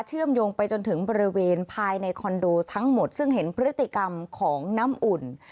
เชื่อมโยงไปจนถึงบริเวณภายในคอนโดทั้งหมดซึ่งเห็นพฤติกรรมของน้ำอุ่น